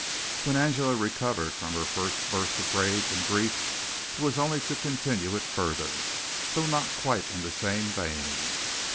When Angela recovered from her first burst of rage and grief it was only to continue it further, though not in quite the same vein.